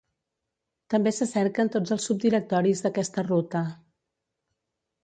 També se cerquen tots els subdirectoris d'aquesta ruta.